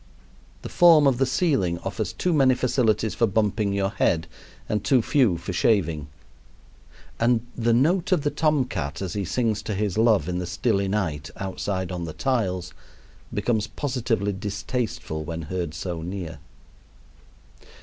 The form of the ceiling offers too many facilities for bumping your head and too few for shaving. And the note of the tomcat as he sings to his love in the stilly night outside on the tiles becomes positively distasteful when heard so near.